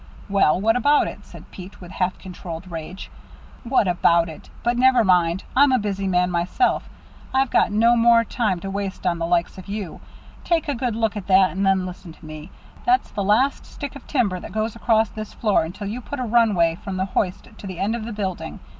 "Well, what about it?" said Pete, with half controlled rage. "What about it! But never mind. I'm a busy man myself. I've got no more time to waste on the likes of you. Take a good look at that, and then listen to me. That's the last stick of timber that goes across this floor until you put a runway from the hoist to the end of the building.